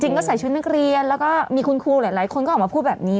ก็ใส่ชุดนักเรียนแล้วก็มีคุณครูหลายคนก็ออกมาพูดแบบนี้